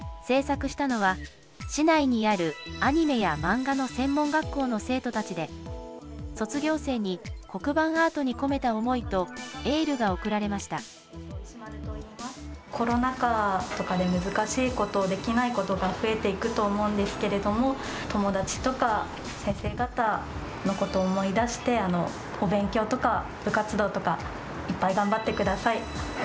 制作したのは、市内にあるアニメや漫画の専門学校の生徒たちで、卒業生に、黒板アートに込めた思いと、コロナ禍とかで難しいこと、できないことが増えていくと思うんですけれども、友達とか先生方のことを思い出して、お勉強とか、部活動とか、いっぱい頑張ってください。